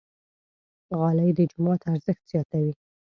غالۍ د جومات ارزښت زیاتوي.